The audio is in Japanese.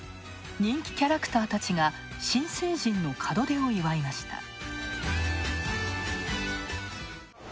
人気キャラクターたちが新成人の門出を祝いました。